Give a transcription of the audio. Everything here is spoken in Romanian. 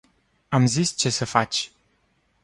Am zis ce sa faci.